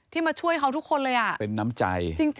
มาช่วยเขาทุกคนเลยเป็นน้ำใจ